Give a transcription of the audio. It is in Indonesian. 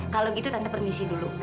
kalau gitu tante permisi dulu